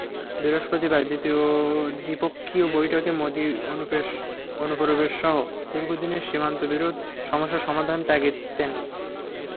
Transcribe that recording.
বৃহস্পতিবার দ্বিপক্ষীয় বৈঠকে মোদি অনুপ্রবেশসহ দীর্ঘদিনের সীমান্তবিরোধ সমস্যার সমাধানের তাগিদ দেন।